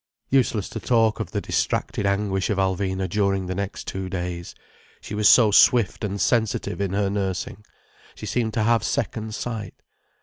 Useless to talk of the distracted anguish of Alvina during the next two days. She was so swift and sensitive in her nursing, she seemed to have second sight.